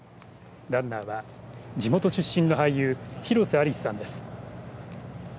ランナーは地元出身の俳優広瀬アリスさんです。